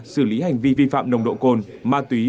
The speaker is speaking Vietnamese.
xử lý hành vi vi phạm nồng độ cồn ma túy